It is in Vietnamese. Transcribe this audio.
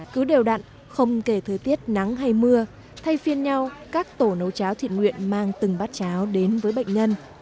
cứ đều đặn không kể thời tiết nắng hay mưa thay phiên nhau các tổ nấu cháo thiện nguyện mang từng bát cháo đến với bệnh nhân